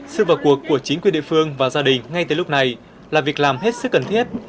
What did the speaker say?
sự vào cuộc của chính quyền địa phương và gia đình ngay từ lúc này là việc làm hết sức cần thiết